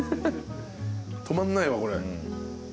止まんないわこれ。